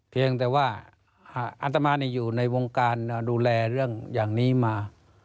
เพียงแต่ว่าอัตมาอยู่ในวงการดูแลเรื่องอย่างนี้มา